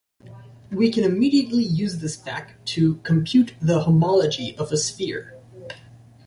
We can immediately use this fact to compute the homology of a sphere.